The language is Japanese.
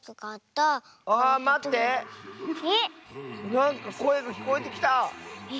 なんかこえがきこえてきた！え？